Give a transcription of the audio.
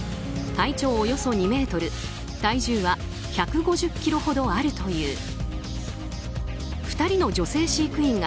体長およそ２ｍ体重は１５０ｋｇほどあるという。